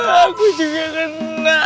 aku juga kena